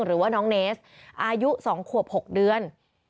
หรือว่าน้องเนสอายุ๒ขวบ๖เดือน